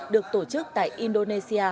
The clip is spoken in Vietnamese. được tổ chức tại indonesia